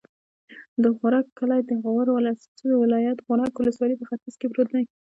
د غورک کلی د غور ولایت، غورک ولسوالي په ختیځ کې پروت دی.